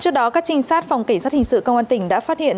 trước đó các trinh sát phòng cảnh sát hình sự công an tỉnh đã phát hiện